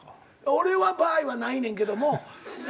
俺の場合はないねんけども。